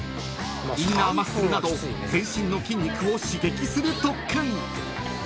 ［インナーマッスルなど全身の筋肉を刺激する特訓］